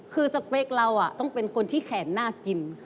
คือสเปคเราต้องเป็นคนที่แขนน่ากิน